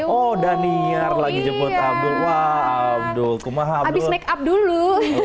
oh daniel lagi jemput abdul abis make up dulu